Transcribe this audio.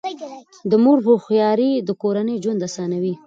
د مور هوښیاري د کورنۍ ژوند اسانوي.